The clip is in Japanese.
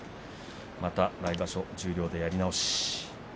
また来場所十両でやり直し。